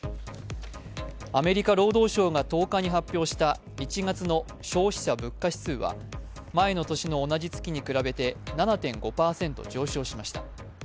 アメリカ労働省が１０日に発表した１月の消費者物価指数は、前の年の同じ月に比べて７．５％上昇しました。